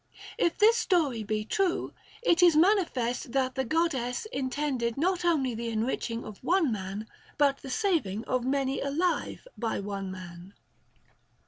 If this story be true, it is manifest that the God dess intended not only the enriching of one man, but the saving of many alive by one man.